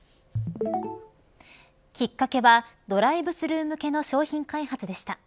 きっかけはドライブスルー向けの商品開発でした。